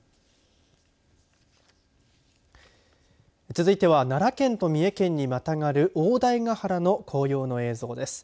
続いては、奈良県と三重県にまたがる大台ヶ原の紅葉の映像です。